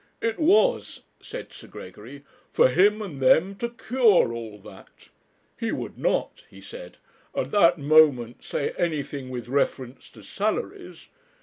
It was,' said Sir Gregory, 'for him and them to cure all that. He would not,' he said, 'at that moment, say anything with reference to salaries.